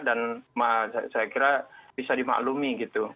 dan saya kira bisa dimaklumi